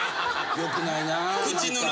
よくないな何か。